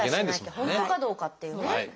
本当かどうかっていうね。